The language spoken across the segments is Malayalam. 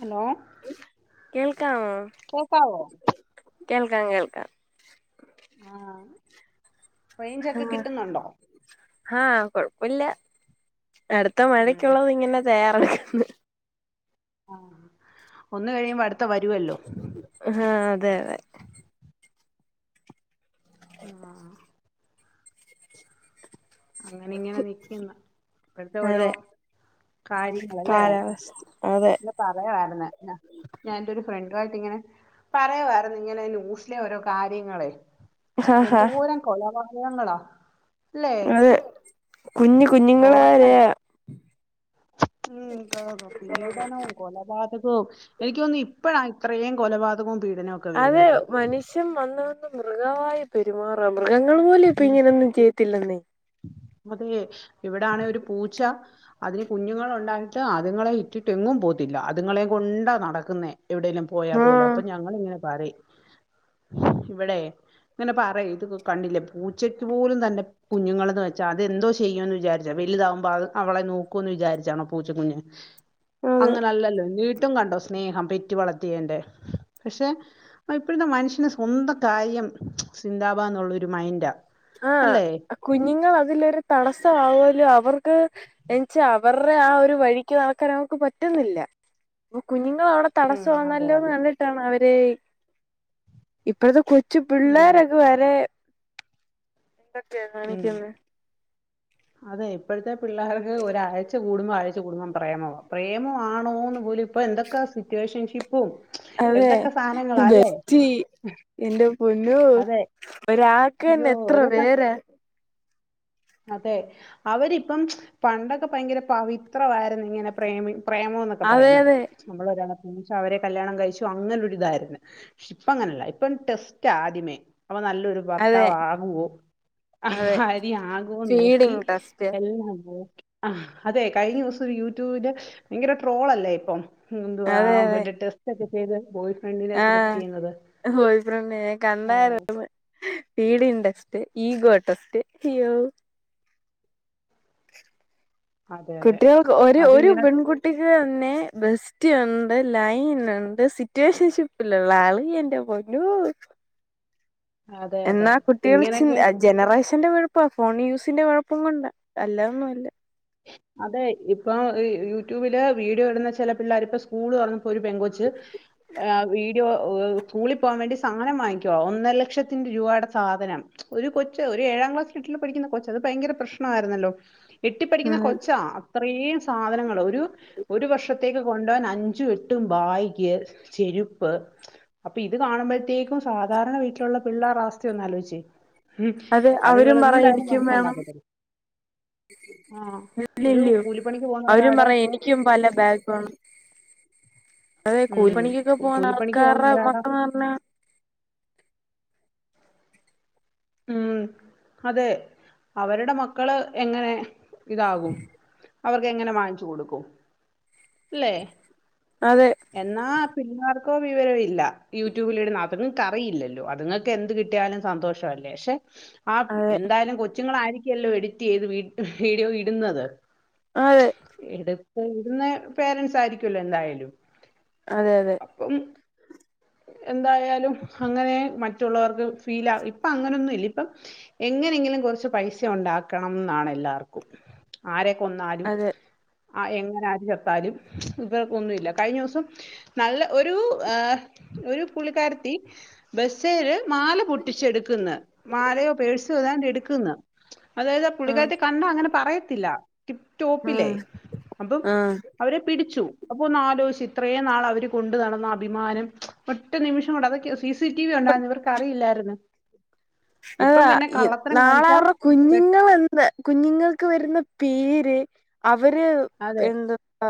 ഹലോ കേൾക്കാമോ കേക്കാവോ? കേൾക്കാം കേൾക്കാം. ആഹ്. റേഞ്ച് ഒക്കെ കിട്ടുന്നുണ്ടോ? ഹാ കൊഴപ്പല്ല്യാ. അടുത്ത ഉം മഴയ്ക്കുള്ളത് ഇങ്ങനെ തയ്യ [unintelligible] ആഹ്. ഒന്ന് കഴിയുമ്പോ അടുത്ത വരുവല്ലോ ആഹ് അതെ അതെ അ ആഹ് ആ അങ്ങനെ ഇങ്ങനെ നിക്കുന്നു ഇപ്പയ്ത്തെ ഓരോ അതെ കാര്യങ്ങളല്ലേ കാലാവസ്ഥ അതെ ഒന്ന് പറയാവായിരുന്നു ഞാൻ ഞാന്റെ ഒരു ഫ്രണ്ട് ചെറുതായിട്ടിങ്ങനെ പറയാവാരുന്നു ഇങ്ങനെ ന്യൂസിലെ ഓരോ കാര്യങ്ങൾ ആഹാ എതു പോരം കൊലപ താ ങ്ങളാ അല്ലേ അത് കുഞ്ഞു തുറക്കാൻ കുഞ്ഞുങ്ങളെരെയാ ഉം താലോ പീഡനവും കൊലബാതക ഓ എനിക്ക് തോന്നി ഇപ്പഴാ ഇത്രയും കൊലപാതകോം അതെ മനുഷ്യൻ വന്ന് മൃഗാവായി പെരുമാറാം മൃഗങ്ങൾ പോലും ഇപ്പൊ ഇങ്ങനെ ഒന്നും ചെയ്ത്തില്ലെന്ന് അതെ ഇവിടാണെ ഒരു പൂച്ച അതിന് കുഞ്ഞുങ്ങൾ ഉണ്ടായിട്ട് അതുങ്ങളെ ഇട്ടിട്ട് എങ്ങും പോത്തില്ല അതുങ്ങളെ കൊണ്ടാ നടക്കുന്നേ എവിടെലും പോയാ പോലും ആഹ് അപ്പോൾ ഞങ്ങളിങ്ങനെ പറേം ഇവിടെ ഇങ്ങനെ പറയും ഇത് കണ്ടില്ലേ പേ- പൂച്ചക്ക് പോലും തന്റെ കുഞ്ഞുങ്ങൾന്ന് വെച്ചാ അതെന്തോ ചെയ്യുമന്ന് വിചാരിച്ചാ വലുതാകുമ്പോ അത് അവളെ നോക്കുവന്ന് വിചാരിച്ചാണോ പൂച്ചക്കുഞ്ഞ്- അതെ അങ്ങനല്ലല്ലോ വീണ്ടും കണ്ടോ സ്നേഹം പെറ്റി- വളർത്തിയന്റെ പക്ഷെ ഇപ്പോഴത്തെ മനുഷ്യന് സ്വന്തം കാര്യം സിന്ദാബാദ് എന്നുള്ള ഒരു മൈൻഡ് ആ കുഞ്ഞുങ്ങൾ അതിലൊരു- തടസ്സമാവോലോ അവർക്ക് ചാനിച്ച [unintelligible] അവരുടെ ആ ഒരു വഴിക്ക് നടക്കാൻ അവക്ക് പറ്റുന്നില്ല അപ്പൊ കുഞ്ഞു- അവിടെ ഉം അതെ തടസ്സമാനല്ലോന്ന് അതെ കണ്ടിട്ടാണ് അവര് - ഇപ്പഴത്തെ കു- ച്ചു അതെ പിള്ളോരൊക്കെ വരെ- എന്തൊക്കെ ഉം കാണിക്കുന്നേ അതെ ഇപ്പോഴത്തെ പിള്ളേർക്ക് ഒരാഴ്ച കൂടുമ്പോം ആഴ്ച കൂടുമ്പോം പ്രേമവാ പ്രേമമാണോന്ന് പോലും ഇപ്പൊ എന്തൊക്ക സിറ്റുവേഷൻഷ- അതെ ബസ്റ്റി എന്റെ പൊന്നു അതെ അയ്യോ ഒരാക്കന്നെ എത്ര ഓരോ സ പേര അതെ അവരിപ്പം പണ്ടൊക്കെ ഭയങ്കര പവിത്രമായിരുന്നു ഇങ്ങനെ പ്രേമി- പ്രേമം എന്നൊക്കെ അതെ പറയുന്നത് അതെ നമ്മൾ ഒരാള- ഒന്നിച്ചു അവരെ കല്യാണം കഴിച്ചു അങ്ങനെ ഒരു ഇതായിരുന്നു പക്ഷ ഇപ്പ അങ്ങനെയല്ല ഇപ്പം ടെസ്റ്റ് ആദ്യമേ- അപ്പൊ നല്ലൊരു അതെ ഭർത്താവ് ആകുവോ അതെ [unintelligible] അരി ആ ഒക്കെ നോക്കി ഫീഡിങ് ടെസ്റ്റ് എല്ലാം ഓ അഹ് അതെ കഴിഞ്ഞോസൊ യൂട്യൂവ് ല് ഭയങ്കര ട്രോള് അല്ലേ ഇപ്പം എന്തുവാ അതെ അതെ മറ്റേ ടെസ്റ്റ് ഒക്കെ ചെയ്ത് ബോയ് ഫ്രണ്ടിനെ സെലക്ട് ആഹ് യ്യ്ന്നത് ബോയ് ആ ഫീഡിങ്ടെസ്റ്റ്‌ ഈഗോടെസ്റ്റ്‌ ഇയ്യോ അതെ അതെ കുട്ടികൾക്ക് ഒരു ഒരു അതിങ്ങനെ പെൺകുട്ടിക്ക് പിന്നെ ബെസ്റ്റി ഉണ്ട് ലൈനുണ്ട് സിറ്റുവേഷൻഷിപ്പിലുള്ള ആള് എന്റെ പൊന്നോ അതെ അതെ എന്നാ കുട്ടികൾ ച്ചിൻ ഇങ്ങനെയൊക്കെ അ ജനറേഷ [unintelligible] ന്റെ ഫോൺ യൂസിന്റെ കൊഴപ്പം കൊണ്ട അല്ലാ ഒന്നു അല്ല അതെ ഇപ്പോം യൂട്യൂബില് വീഡിയോ ഇടുന്ന ചെല പിള്ളാരി ഇപ്പ സ്കൂള് ർന്നു ഒരു പെങ്കൊച്ച് ആ വീഡിയോ സ്കൂളി പോവാ വേണ്ടി സാനം വാങ്ങിക്കുവാ ഒന്നര ലക്ഷത്തിന്റെ രൂവായുടെ സാധനം ഒരു കൊച്ച് ഒരു ഏഴാം ക്ലാസ്സിൽ എട്ടിലൊ പഠിക്കുന്ന കൊച്ച് അത് ഭയങ്കര പ്രശ്നൊവായിര്ന്നല്ലോ ട്ടിപ്പഠിക്കുന്ന ഉം കൊച്ചാ അത്ത്രേയ് സാധനങ്ങള് ഒരു ഒരു വർഷത്തേക്ക് കൊണ്ടോവൻ അഞ്ചും എട്ടും ബാഗ്യ ചെരുപ്പ് അപ്പൊ ഇത് കാണുമ്പഴത്തേക്കും സാധാരണ വീട്ടിലുള്ള പിള്ളേറ അവസ്ഥയൊന്നാലോയ്ചെ ഉം അതെ അവരും അതുങ്ങള് പറയും ന്തായലും എനിക്കും [unintelligible] രും ല്ല ഇല്ലയോ അവരും ഒരാടെ പറയാ എനിക്കും പല്ല ബാഗ് അതെ കൂലി ഉം പണിക്കൊക്കെ കൂ- പോണ കൂലിപ്പണിക്ക് ആൾക്കാറേ പോകുന്നവരാടാ മക്ക [unintelligible] ർഞ്ഞ ഉം അതെ അവരുടെ മക്കള് എങ്ങനെ ഇതാകും അവർക്ക് എങ്ങനെ വാങ്ങിച്ചു കൊടുക്കും അല്ലേ അതെ എന്നാ പിള്ളാർക്കോ വിവരൊ ഇല്ല യൂട്യൂബിലിടുന്ന അതുങ്ങക്ക് അറിയില്ലോ അതുങ്ങക്ക് എന്ത് കിട്ടിയാലും സന്തോഷ് ഷോ അല്ലേ ഷേ ആ അതെ എന്തായാലും കൊച്ചുങ്ങളായിരി എല്ലോ എഡിറ്റ് എയ്ത് വീ ഹ് മ് വീഡിയോ ഇടുന്നത് അതെ ര്ന്നെ പേരൻസ് ആയിരിക്കുവല്ലോ എന്തായാലും അതെ അതെ അപ്പം എന്തായാലും അങ്ങനെ മറ്റുള്ളവർക്ക് ഫീല് ആ ഇപ്പൊ അങ്ങനൊന്നു ഇല്ല ഇപ്പം എങ്ങനെങ്കിലും കൊർച്ച് പൈസ ഉണ്ടാക്കണം ന്നാണ് എല്ലാർക്കും ആരെ കൊന്നാലും അതെ ആ എങ്ങനെ ആര് ചത്താലും വർക്ക് ഒന്നുവില്ല കഴിഞ്ഞോസം നല്ല ഒരു ആ ഒരു പുള്ളിക്കാരിത്തി ബസ്സേല് മാല പൊട്ടിച്ച് എട്ക്ക്ന്ന് മാലയോ പേഴ്സോ താണ്ട് എടുക്ക്ന്ന് അതായത് അ ഉം പുള്ളിക്കാര്ത്തി കണ്ടാ അങ്ങനെ പറയ ത്തില്ല ടിപ്ടോപ്പിലേ ഉം അബ്ബം ഉം അവരെ പിടിച്ചു അപ്പൊ ന്നാലോച്ച് ഇത്ത്രേയ് നാള് അവര് കൊണ്ട് നടന്ന അഭിമാനം ഒറ്റ നിമിഷം കൊണ്ട് അതൊക്കെ ഉസ് സി സി ടി വി ഉണ്ടായിരിന്ന് ഇവർക്ക് അറിയില്ലായിരുന്നു ഇപ്പം അതാ പിന്നെ ഇ കള്ളത്തരം നാള കാണിച്ചാ അവരുടെ പെ- കുഞ്ഞുങ്ങൾ എന്ത് കുഞ്ഞുങ്ങൾക്ക് വരുന്ന പേര് അവ് അവര് അതെ എന്ത് പാ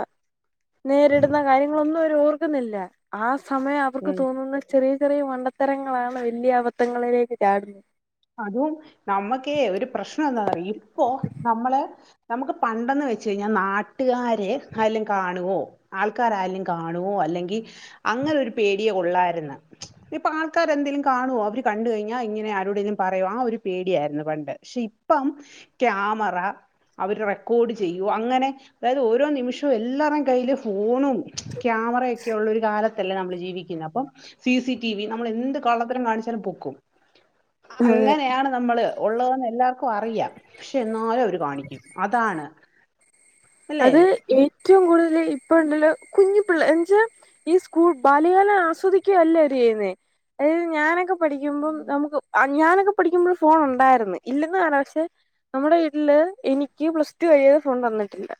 നേരിടുന്ന കാര്യങ്ങളൊന്നവര് ഓർ കുന്നില ആസ് സമയം അവർക്ക് ഉം തോന്നുന്ന ചെറിയ ചെറിയ മണ്ടത്തരങ്ങളാണ് വല്യ അബദ്ധങ്ങളിലേക്ക് ചാടുന്നത് അതും നമ്മുക്കേ ഒരു പ്രശ്നം എന്താന്ന് ഇപ്പോ നമ്മളെ നമുക്ക് പണ്ടെന്ന് വെച്ച് കഴിഞ്ഞാൽ നാട്ടുകാര് ആരേലും കാണുവോ ആൾക്കാരാരേലും കാണുവോ അല്ലെങ്കിൽ അങ്ങനെ ഒരു പേടിയെ ഒള്ളായിരുന്നു ഇപ്പൊ ആൾക്കാര് എന്തെങ്കലും കാണുവോ അവര് കണ്ട് കഴിഞ്ഞാൽ ഇങ്ങനെ ആരോടെങ്കിലും പറയൊ ആ ഒരു പേടിയായിരുന്നു പണ്ട്. പക്ഷെ ഇപ്പം ക്യാമറ അവര് റെക്കോർഡ് ചെയ്യൊ അങ്ങനെ അതായത് ഓരോ നിമിഷവും എല്ലരേം കയ്യില് ഫോണും ക്യാമറയൊക്കെ ഉള്ള ഒരു കാല ത്തല്ലെ നമ്മള് ജീവിക്കുന്നത് അപ്പം സി സി ടി വി നമ്മൾ എന്ത് കള്ളത്തരം കാണിച്ചാലും പൊക്കും അതെ അങ്ങനെയാണ് നമ്മള് ഉള്ളതെന്ന് എല്ലാവർക്കും അറിയാം പക്ഷെ എന്നാലും അവര് കാണിക്കും അതാണ് അല്ലേ അത് ഏറ്റവും കൂടുതല് ഇപ്പുണ്ടല്ലോ കുഞ്ഞിപ്പിള്ള എന്നെച്ചാ ഈ സ്കൂൾ ബല്യകാലം ആസ്വാദിക്കുകയല്ലാ അവര് ചെയ്യുന്നേ അതായത് ഞാനൊക്കെ പഠിക്കുമ്പം നമുക്ക് [unintelligible] ക്കെ പഠിക്കുമ്പഴും ഫോൺ ഉണ്ടാരുന്നു ഇല്ലെന്ന് [unintelligible] പക്ഷെ നമ്മുടെ വീട്ടില് എനിക്ക് പ്ലസ് ടു കഴിയാതെ ഫോൺ തന്നിട്ടില്ല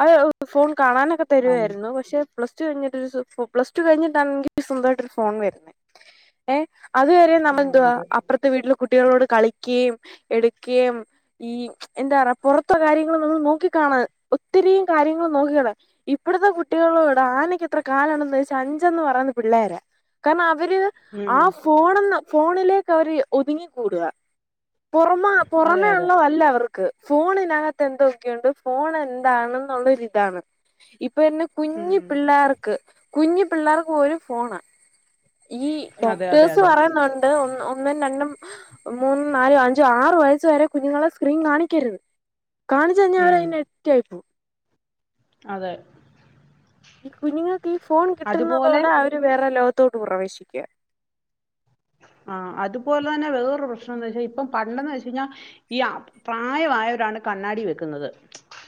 അതെ അ ഫോ കാണാനൊക്കെ ആ തരുവാരുന്നു പക്ഷെ പ്ലസ്ടു കഴിഞ്ഞിട്ട് ഒരു സൊ പ്ലസ്ടു കഴിഞ്ഞിട്ടാണെനിക്ക് സ്വന്തമായിട്ടൊരു ഫോൺ വരുന്നെ ഏഹ് അതുവരെ ആ നമ്മളെന്തുവാ അതെ അപ്പുറത്തെ വീട് കുട്ടികളോട് കളിക്കുകയും എടുക്കുകയും ഈ എന്താ പറ പൊറത്തെ കാര്യങ്ങള് ഒന്ന് നോക്കി കാണാൻ ഒത്തിരിയും കാര്യങ്ങൾ നോക്കിക്കോണെ ഇ ഇവിടുത്തെ കുട്ടികളോട് ആനക്കെ ത്ര കാലൊണ്ട് എന്ന് ചോദിച്ചാ അഞ്ചന്ന് പറയുന്ന പിള്ളേരാ കാരണം അവര് ഉം ആ ഫോണുന്ന് ഫോണിലേക്കവര് ഒതുങ്ങിക്കൂടുകാ പുറമ അതെ പുറമേ അതെ ഒള്ളതല്ല അവർക്ക് ഫോണിനകത്ത് എന്തൊക്കെയുണ്ട് ഫോണ് ന്താണെന്നുള്ള ഒരു ഇതാണ് ഇ പ്പൊന്നെ കുഞ്ഞി ഉം പിള്ളാർക്ക് കുഞ്ഞി പിള്ളാർക്ക് ഒരു ഫോണാ. ഈ അതെ അതെ ഡോക്ടേഴ്സ് അതെ പറയുന്നുണ്ട് ഒന്ന് ഒന്നും രണ്ടും മൂന്നും നാലും അഞ്ചു ആറ് വയസ് വരെ കുഞ്ഞുങ്ങളെ സ്ക്രീൻ കാണിക്കരുത്. കാണിച്ചുകഴിഞ്ഞാ ഉം അവരയിന അതെ ഈ കുഞ്ഞുങ്ങൾ ഈ ഫോൺ അതുപോലെ കിട്ടുന്നതോടെ അവര് വേറെ ലോക് ത്തോട്ട് പ്രവേശിക്കുക പ്രശ്ണോന്നു വെച്ചാ ഇപ്പം പണ്ടെന്ന് വെച്ച് കഴിഞ്ഞാ ഈ അ പ്രായമായവരാണ് കണ്ണാടി വെക്കുന്നത്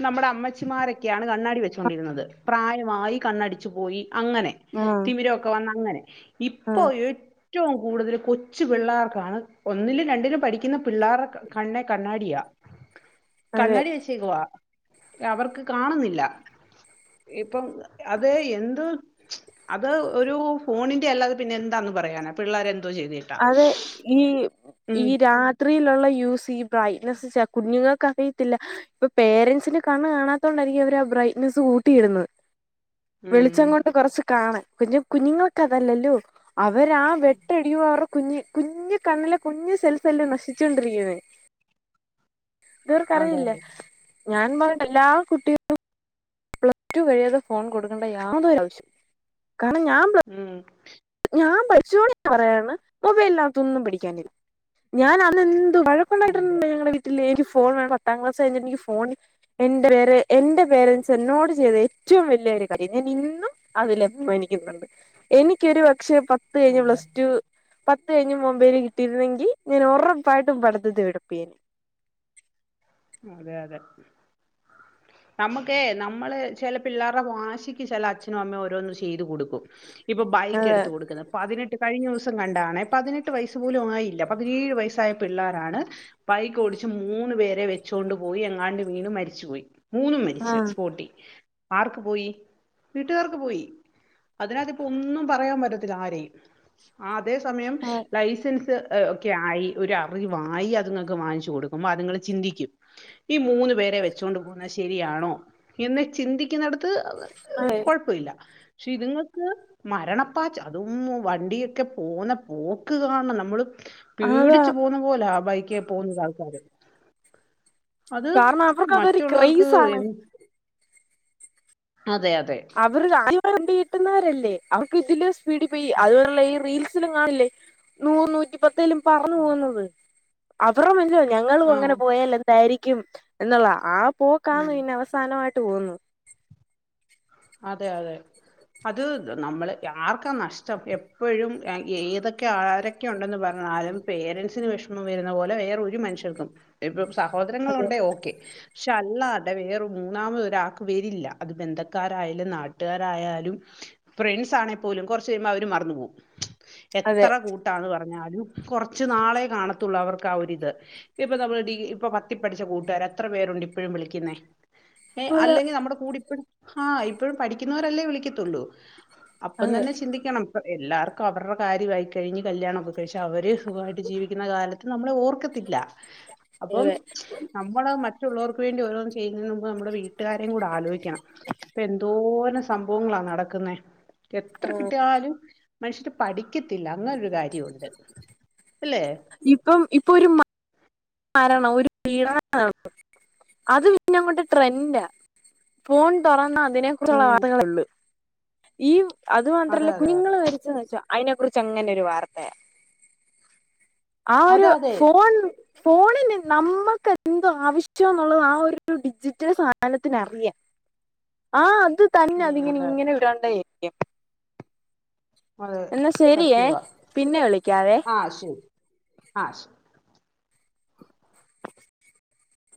നമ്മുടെ അമ്മച്ചിമാരൊക്കെയാണ് കണ്ണാടി വെച്ചോണ്ടിരുന്നത് പ്രായമായി കണ്ണടിച്ചു പോയി അങ്ങനെ ആഹ് തിമിരൊക്കെ വന്ന് അങ്ങനെ ഇപ്പൊ ആഹ് ഏ റ്റോം കൂടുതൽ കൊച്ചു പിള്ളേർക്കാണ് ഒന്നിലും രണ്ടിലും പഠിക്കുന്ന പിള്ളേർടെ കണ്ണെ കണ്ണാടിയാ. അതെ കണ്ണാടി വെച്ചേക്കുവാ അവർക്ക് കാണുന്നില്ല ഇ പ്പം അത് എന്ത് അത് ഒരു ഫോണിന്റെ അല്ലാതെ പിന്നെ എന്താന്ന് പറയാനാ പിള്ളാരെൻ അതെ ഈ ഉം ഈ രാത്രിയിലുള്ള യൂസീ ബ്രൈറ്റ്നസ്സ് ച്ചാ കുഞ്ഞുങ്ങൾക്ക് അറിയത്തില്ല ഇപ്പൊ പേരൻസിന് കണ്ണ് കാണാത്തോണ്ടായിരിക്കും അവര് ആ ബ്രൈറ്റ്നെസ്സ് കൂട്ടിയിടുന്നത്. ഉം വെളിച്ചം കൊണ്ട് കൊറച്ച് കാണ് കുഞ്ഞു കുഞ്ഞുങ്ങൾക്കതല്ലല്ലോ അവരാ ആ വെട്ടടിയു അവർ ആ കുഞ്ഞ് കുഞ്ഞ്കണ്ണിലെ കുഞ്ഞു സെൽഫല്ലേ നശിച്ചോണ്ടിരിക്ക്ണേ അതെ തവർക്കറിയില്ലെ അതെ ഞാൻ പറഞ്ഞ എല്ലാ കുട്ടി കളും പ്ലസ് ടു കഴിയാതെ ഫോൺ കൊടുക്കേണ്ട യാതൊരാവശ്യൂ ഉം ഞാൻ പഠിച്ചോ [unintelligible] പറയാണ് മൊബൈലിനകത്തൊന്നും പിടിക്കാനില്ല ഞാനന്ന് ന്തു വഴക്കുണ്ടായിട്ടുണ്ട് ഞങ്ങൾടെ വീട്ടിലെക്ക് ഫ് ഫോൺ വേണം പത്താം ക്ലാസ് കഴിഞ്ഞ് എനിക്ക് ഫോൺ എന്റെ പേര എന്റെ പേരന്റ്സ് എന്നോട് ചെയ്ത ഏറ്റവും വെല്ല്യൊരു കാര്യം ഞാൻ ഇന്നും അതിലെപ്പഴും എനിക്കിത്ണ്ട് എനി ക്കൊരു പക്ഷേ പത്ത് കഴിഞ്ഞ് പ്ലസ് ടു പത്ത് കഴിഞ്ഞ് മൊബൈൽ കിട്ടിരുന്നെങ്കി ഞാനൊറപ്പായിട്ടും പഠിത്തത്തി ഒഴപ്പിയേനേ അതെ യതെ നമുക്കേ നമ്മള് ചില പിള്ളേരുടെ വാശിക്ക് ചെല അഛ ച്ചനും അമ്മേ ഓരോന്ന് ചെയ്തു കൊടുക്കും ഇപ്പൊ ബൈക്ക് അതെ എടുത്ത് കൊടുക്കുന്ന പതിനെട്ട് കഴിഞ്ഞോസം ങ്ങണ്ടാണെ പതിനെട്ട് വയസ് പോലും ആയില്ല പതിനേഴ് വയസ്സായ പിള്ളേരാണ് ബൈക്കോടിച്ച് മൂന്നു പേരെ വെച്ച് ച്ചോണ്ട് പോയി എങ്ങാണ്ട് വീണ് മരിച്ചുപോയി മൂന്നും മരിച്ച് ആഹ് സ്പോട്ടി ആർക്ക് പോയി വീട്ടുകാർക്ക് പോയി അതിനകത്ത് ഒന്നും പറയാൻ പറ്റത്തില്ല ആരെയും ആ അതേ സമയം ലൈസൻസ് സ് ഒക്കെ ആയി ഒരു അറിവായി അതുങ്ങക്ക് വാങ്ങിച്ചു കൊടുക്കുമ്പോ അതുങ്ങള് ചിന്തിക്കും ഈ മൂന്നു പേരെ വെച്ചോണ്ട് പോകുന്ന ശെരിയാണോ എന്ന് ചിന്തിക്കുന്നിട ത്ത് അതെ കൊഴപ്പൊല്ല പക്ഷെ ഇതുങ്ങൾക്ക് മരണപ്പാച്ച് അതും വണ്ടിയൊക്കെ പോണ പോക്ക് കാണണം നമ്മള് അതാ പേടിച്ചു പോന്ന പോലെ ബൈ ക്കെ പോകുന്നത് ആൾക്കാര് അത് കാരണം അവർക്ക് അതൊരു മറ്റുള്ളവർക്ക് ക്രൈസ് എ ആണ് അതെ യതെ വണ്ടികിട്ടുന്നവരല്ലേ അവർക്കിതിലും സ് പീഡീ പോയ് അതുപോലുള്ള ഈ റീൽസ് ലും കാണില്ലേ നൂറ് നൂറ്റിപ്പത്തേലും പറന്ന് പോകുന്നത് അവർടെ [unintelligible] ഞങ്ങളു ആ അങ്ങനെ പോയാൽ എന്തായിരി ക്കും എന്നുള്ളതാ ആ പോക്കാണ് ഉം പിന്നവസാനവായ് ട്ടു പോകുന്നത് അതെ അതെ അത് നമ്മള് ആർക്കാ നഷ്ട്ടം എപ്പഴും എ ഏതൊക്കെ ആരൊക്കെ ഒണ്ടെന്നു പറഞ്ഞാലും പേരന്റ്സിനു വെഷമം വരുന്നത് പോലെ വേറൊരു മനുഷ്യർക്കും അതിപ്പം അതെ സഹോദരങ്ങളൊണ്ടേ ഓക്കെ പക്ഷെ അല്ലാ തെ വേറെ മൂന്നാമതൊരാക്ക് വെരില്ല അത് ബന്ധ ക്കാരായാലും നാട്ടുകാരായാലും ഫ്രണ്ട്സാണേപോലും കൊറച്ച് കഴിയുമ്പോ അവരും മറന്നു പോകും. അതെ എത്ര കൂട്ടാന്ന് പറ പറഞ്ഞാലും കൊറച്ചുനാളെ കാണത്തുള്ളു അവർക്കാഒരിത് ഇപ്പൊ നമ്മള് ഡിഗി ഇപ്പൊ പത്തിപ്പഠിച്ച കൂട്ടുകാര് എത്ര പേരുണ്ടിപ്പഴും വിളിക്കുന്നേ എ അതെ അല്ലെങ്കി നമ്മടെ കൂടിപഴും ഹാ ഇപ്പോൾ പഠിക്കുന്നൊരല്ലേ വിളിക്കത്തുള്ളൂ അപ്പം ആഹ് തന്നെ ചിന്തിക്കണം പ്പ എല്ലാർക്കും അവർടെ കാര്യവായി കഴിഞ്ഞ് കല്യാണവൊക്കെ കഴിച് അവര് സുഖായിട് ജീവിക്കുന്ന കാല നമ്മളെ ഓർക്കത്തില്ല അപ്പം നമ്മള് മറ്റുള്ളോർക് വേണ്ടി ഓരോന്ന് ചെയ്യുന്നതിന് മുമ്പ് നമ്മുടെ വീട്ടുകാരേംകൂടാലോചിക്കണം എന്തോരം സംഭവങ്ങളാ നടക്കുന്നേ എത്ര കിട്ടിയാലും മനുഷ്യര് പഠി ക്കത്തില്ല അങ്ങനൊരു കാര്യവൊണ്ട് ഇപ്പം ഇപ്പൊ ഒരു മാ [unintelligible] അത് പിന്നങ്ങോട് ട്രെൻഡാ ഫോൺ തൊറന്നാ അങ്ങനേം കുറച്ചുള്ള ഉം ആളുകളുണ്ട് ഈ അത് അതെ മാത്രല്ല അതെ അതെ കുഞ്ഞുങ്ങള് മരിചെന്ന് വെച്ചാ അയ്നെ കുറിചങ്ങാനൊരു വാർത്തയ ആ അതെ ഒരു അതെ ഫോൺ നമ്മൾക്കെന്താ ആവശ്യം എന്നുള്ളത് അ ഡിജിറ്റൽ സാധനത്തിനറിയാം ആഹ് അത് തന്നെ ഉം അതെ അതിങ്ങനിങ്ങനെ [unintelligible] വളരെ സത്യവാ പിന്നെ വിളിക്കാവേ ആഹ ശരി ആ ശരി